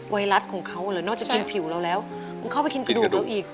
ไวรัสของเขาหรือนอกจากกินผิวเราแล้วมึงเข้าไปกินกระดูกเราอีก